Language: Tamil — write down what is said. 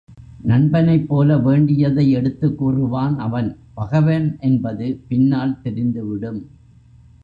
நண்பனைப் போல வேண்டியதை எடுத்துக் கூறுவான் அவன் பகைவன் என்பது பின்னால் தெரிந்து விடும்.